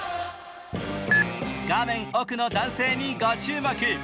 画面奥の男性に注目。